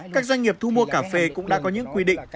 các doanh nghiệp thu mua cà phê cũng đã có những quy định